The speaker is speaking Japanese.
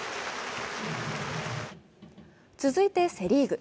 続いてセ・リーグ。